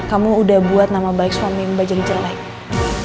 kamu udah buat nama baik suami mbak jelita